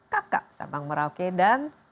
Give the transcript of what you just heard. kakak sabang merauke dan